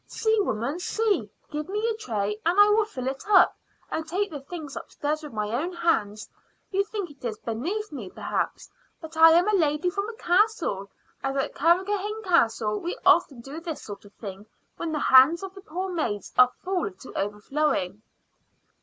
See, woman see! Give me a tray and I will fill it up and take the things upstairs with my own hands. You think it is beneath me, perhaps; but I am a lady from a castle, and at Carrigrohane Castle we often do this sort of thing when the hands of the poor maids are full to overflowing."